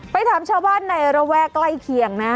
ถามชาวบ้านในระแวกใกล้เคียงนะ